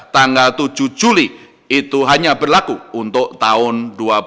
tanggal tujuh juli itu hanya berlaku untuk tahun dua ribu dua puluh